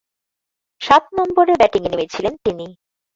সাত নম্বরে ব্যাটিংয়ে নেমেছিলেন তিনি।